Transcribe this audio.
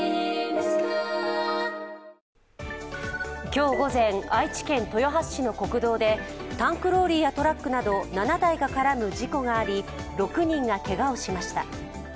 今日午前、愛知県豊橋市の国道でタンクローリーやトラックなど７台が絡む事故があり６人がけがをしました。